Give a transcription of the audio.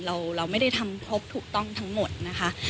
เราไม่ได้ทำครบถูกต้องทั้งหมดนะคะ